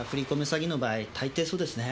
詐欺の場合大抵そうですね。